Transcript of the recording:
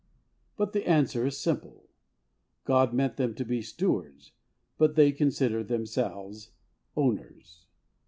. But the answer is simple. God meant them to be stewards, but they considered themselves owners.